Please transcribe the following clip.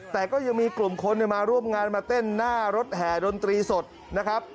แต่ก็ยังมีกลุ่มคนมาร่วมงานมาเต้นหน้ารถแห่ดนตรีสดนะครับ